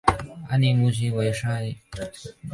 安宁薹草为莎草科薹草属下的一个种。